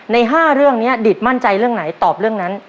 ใน๕เรื่องนี้ดิตมั่นใจเรื่องไหนตอบเรื่องนั้น